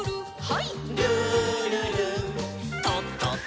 はい。